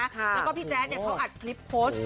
แล้วก็พี่แจงจะข้ออัดทริปโพสต์